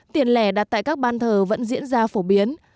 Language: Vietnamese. tiền lẻ đặt tại các ban thờ vẫn diễn ra phổ biến